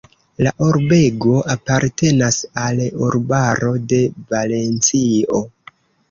La urbego apartenas al urbaro de Valencio.